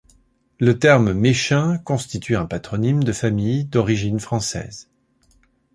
Le terme Méchin constitue un patronyme de famille d'origine française.